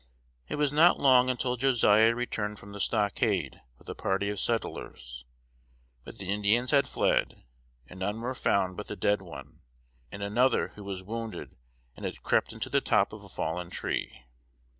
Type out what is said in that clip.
It was not long until Josiah returned from the stockade with a party of settlers; but the Indians had fled, and none were found but the dead one, and another who was wounded and had crept into the top of a fallen tree.